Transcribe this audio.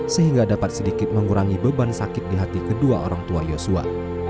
sehingga dapat sedikit mengurangi beban sakit di hati kedua orang tua yosua